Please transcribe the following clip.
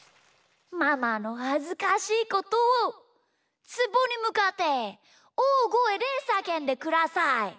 ママのはずかしいことをつぼにむかっておおごえでさけんでください。